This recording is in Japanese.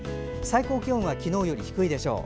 最高気温は昨日より低いでしょう。